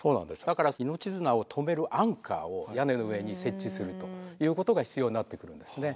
だから命綱を留めるアンカーを屋根の上に設置するということが必要になってくるんですね。